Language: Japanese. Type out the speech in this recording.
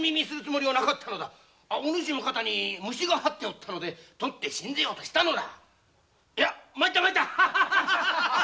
お主の肩に虫が這っておったので取ってやろうと思ったのだ。